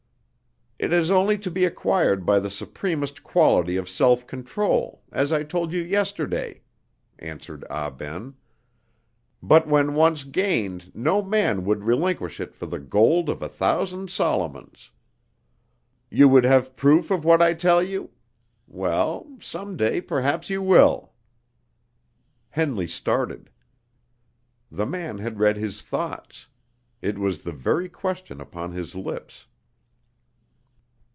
"It is only to be acquired by the supremest quality of self control, as I told you yesterday," answered Ah Ben; "but when once gained, no man would relinquish it for the gold of a thousand Solomons! You would have proof of what I tell you? Well, some day perhaps you will!" Henley started. The man had read his thoughts. It was the very question upon his lips.